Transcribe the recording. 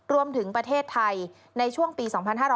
รวมถึงประเทศไทยช่วงปี๒๕๓๔๒๕๔๘